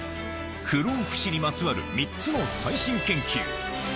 不老不死にまつわる３つの最新研究